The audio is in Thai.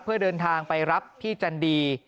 เพื่อเดินทางไปรับพี่จันดี